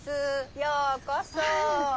ようこそ。